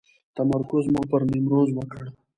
تمرکز مو پر نیمروز وکړ.